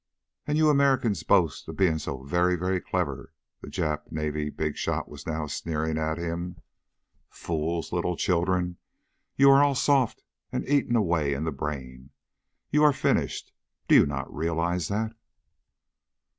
"And you Americans boast of being so very, very clever!" the Jap Navy big shot was now sneering at him. "Fools! Little children! You are all soft, and eaten away in the brain. You are finished. Do you not realize that?"